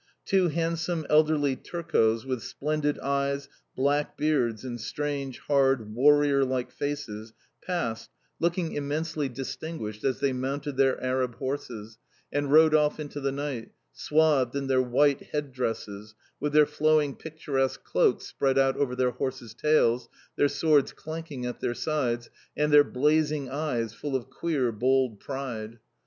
Two handsome elderly Turcos with splendid eyes, black beards, and strange, hard, warrior like faces, passed, looking immensely distinguished as they mounted their arab horses, and rode off into the night, swathed in their white head dresses, with their flowing picturesque cloaks spread out over their horses' tails, their swords clanking at their sides, and their blazing eyes full of queer, bold pride.